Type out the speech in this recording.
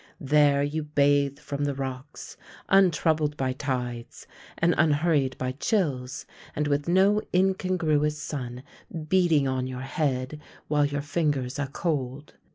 There you bathe from the rocks, untroubled by tides, and unhurried by chills, and with no incongruous sun beating on your head while your fingers are cold.